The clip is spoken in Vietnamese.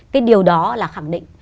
cái điều đó là khẳng định